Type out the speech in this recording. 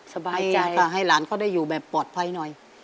สบายใจค่ะให้หลานเขาได้อยู่แบบปลอดภัยหน่อย